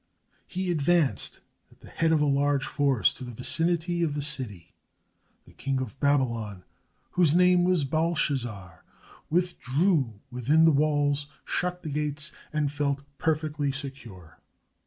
He advanced at the head of a large force to the vicinity of the city. The King of Babylon, whose name was Belshazzar, withdrew within 523 MESOPOTAMIA the walls, shut the gates, and felt perfectly secure.